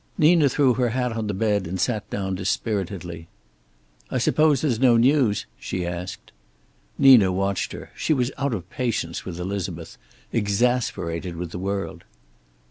Nina threw her hat on the bed and sat down dispiritedly. "I suppose there's no news?" she asked. Nina watched her. She was out of patience with Elizabeth, exasperated with the world.